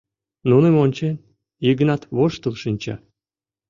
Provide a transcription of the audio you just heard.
Нуным ончен, Йыгнат воштыл шинча.